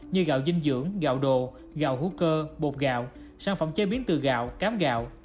như gạo dinh dưỡng gạo đồ gạo hữu cơ bột gạo sản phẩm chế biến từ gạo cám gạo